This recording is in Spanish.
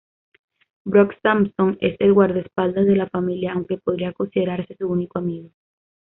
Brock Samson es el guardaespaldas de la familia aunque podría considerarse su único amigo.